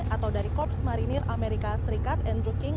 atau dari korps marinir amerika serikat andrew king